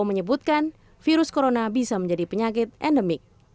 menyebutkan virus corona bisa menjadi penyakit endemik